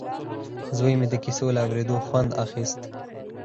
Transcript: زوی مې د کیسو له اورېدو خوند اخیست